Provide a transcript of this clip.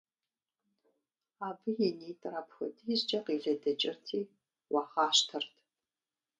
Абы и нитӀыр апхуэдизкӀэ къилыдыкӀырти, уагъащтэрт.